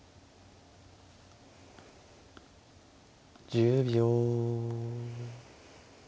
１０秒。